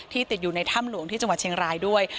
ติดอยู่ในถ้ำหลวงที่จังหวัดเชียงรายด้วย